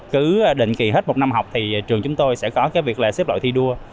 cứ định kỳ hết một năm học thì trường chúng tôi sẽ có cái việc là xếp loại thi đua